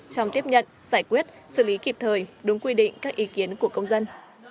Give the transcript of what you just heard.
trong tiếp nhận giải quyết xử lý kịp thời đúng quy định các ý kiến của công dân